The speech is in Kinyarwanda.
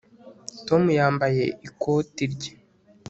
Tom yambaye ikoti rye